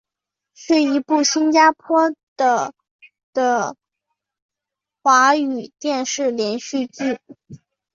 是一部新加坡的的华语电视连续剧。